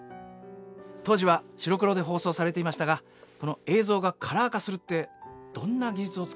当時は白黒で放送されていましたが映像がカラー化するってどんな技術を使っていたんでしょう。